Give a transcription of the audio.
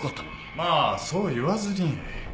まあそう言わずに。